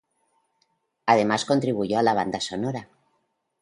Además contribuyó a la banda sonora.